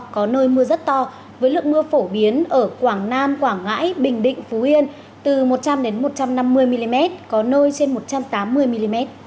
có nơi mưa rất to với lượng mưa phổ biến ở quảng nam quảng ngãi bình định phú yên từ một trăm linh một trăm năm mươi mm có nơi trên một trăm tám mươi mm